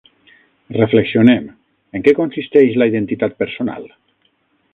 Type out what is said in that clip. Reflexionem, en què consisteix la identitat personal?